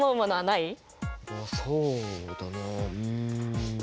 そうだなあん。